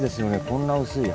こんな薄い。